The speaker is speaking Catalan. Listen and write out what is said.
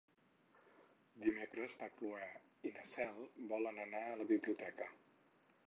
Dimecres na Cloè i na Cel volen anar a la biblioteca.